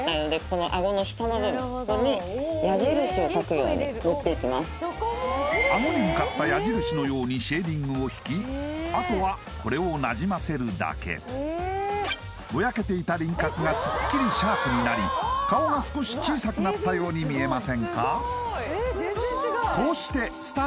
この下に顎に向かった矢印のようにシェーディングを引きあとはこれをなじませるだけぼやけていた輪郭がスッキリシャープになり顔が少し小さくなったように見えませんか？